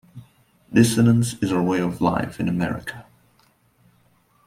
Dissonance is our way of life in America.